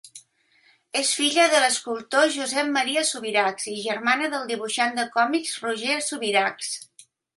És filla de l'escultor Josep Maria Subirachs i germana del dibuixant de còmics Roger Subirachs.